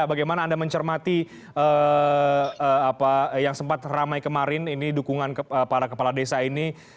bagaimana anda mencermati yang sempat ramai kemarin ini dukungan para kepala desa ini